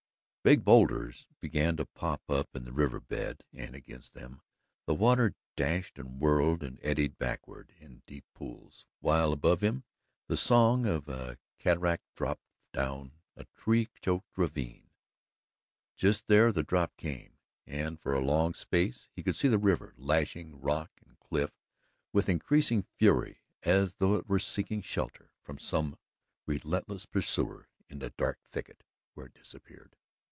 Big bowlders began to pop up in the river bed and against them the water dashed and whirled and eddied backward in deep pools, while above him the song of a cataract dropped down a tree choked ravine. Just there the drop came, and for a long space he could see the river lashing rock and cliff with increasing fury as though it were seeking shelter from some relentless pursuer in the dark thicket where it disappeared.